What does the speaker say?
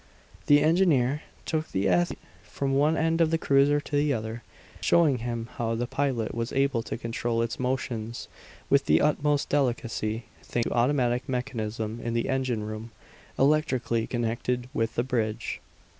The engineer took the athlete from one end of the cruiser to the other, showing him how the pilot was able to control its motions with the utmost delicacy, thanks to automatic mechanism in the engine room, electrically connected with the bridge.